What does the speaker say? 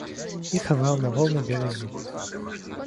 Их рвал на волны белый зуб.